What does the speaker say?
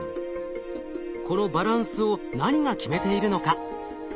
このバランスを何が決めているのか？